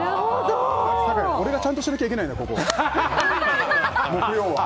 俺がちゃんとしなきゃいけないのよ、ここは。木曜は。